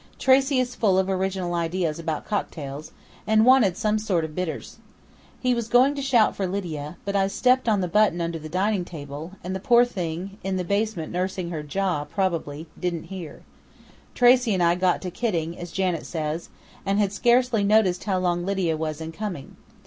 "Tracey is full of original ideas about cocktails, and wanted some sort of bitters. He was going to shout for Lydia, but I stepped on the button under the dining table, and the poor thing in the basement nursing her jaw, probably didn't hear. Tracey and I got to kidding, as Janet says, and had scarcely noticed how long Lydia was in coming.